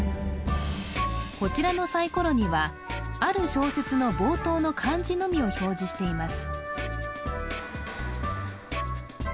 こちらのサイコロにはある小説の冒頭の漢字のみを表示しています